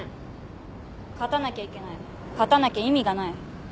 勝たなきゃいけない勝たなきゃ意味がない。